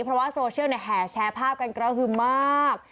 เพราะว่าโซเชียลแชร์ภาพกันกับเราฮือมาก